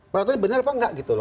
peraturnya benar apa enggak gitu loh